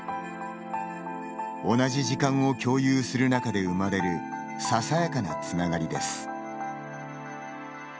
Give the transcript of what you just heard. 同じ時間を共有する中で生まれるささやかなつながりです。